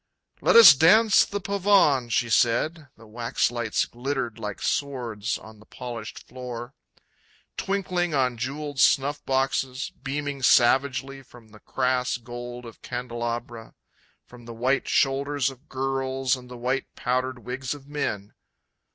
"Let us dance the pavon!" she said; the waxlights glittered like swords on the polished floor. Twinkling on jewelled snuffboxes, beaming savagely from the crass gold of candelabra, From the white shoulders of girls and the white powdered wigs of men...